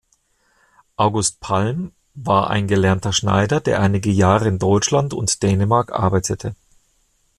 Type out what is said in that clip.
August Palm war ein gelernter Schneider, der einige Jahre in Deutschland und Dänemark arbeitete.